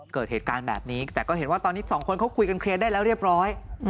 เกิดเหตุการณ์แบบนี้แต่ก็เห็นว่าตอนนี้สองคนเขาคุยกันเคลียร์ได้แล้วเรียบร้อย